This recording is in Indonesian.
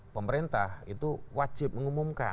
pemerintah itu wajib mengumumkan